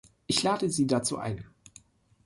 Ich lade Sie dazu ein.